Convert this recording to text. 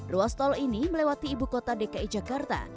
ruas tol ini melewati ibu kota dki jakarta